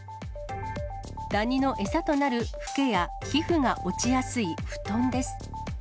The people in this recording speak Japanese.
ダニの餌となるふけや皮膚が落ちやすい布団です。